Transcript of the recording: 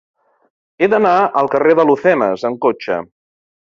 He d'anar al carrer d'Alhucemas amb cotxe.